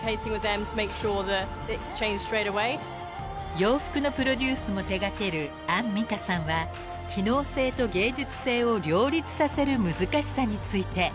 ［洋服のプロデュースも手掛けるアンミカさんは機能性と芸術性を両立させる難しさについて］